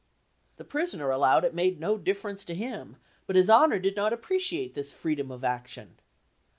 The prisoner "allowed" it made no difference to him, but his Honor did not appreciate this freedom of action.